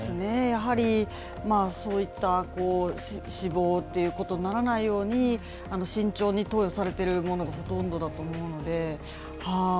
やはり、そういった死亡っていうことにならないように慎重に投与されていることがほとんどだと思うので。